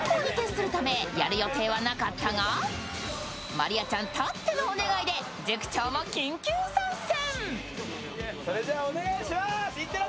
真莉愛ちゃんたってのお願いで塾長も緊急参戦。